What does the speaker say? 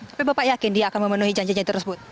tapi bapak yakin dia akan memenuhi janji janji tersebut